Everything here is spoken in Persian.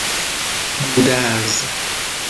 گودرز